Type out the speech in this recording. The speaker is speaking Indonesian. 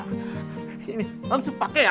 ini langsung pake ya